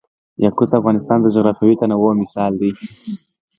یاقوت د افغانستان د جغرافیوي تنوع مثال دی.